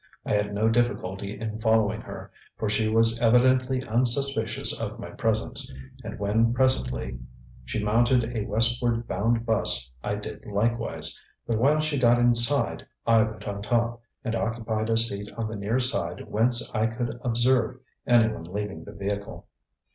I had no difficulty in following her, for she was evidently unsuspicious of my presence, and when presently she mounted a westward bound 'bus I did likewise, but while she got inside I went on top, and occupied a seat on the near side whence I could observe anyone leaving the vehicle.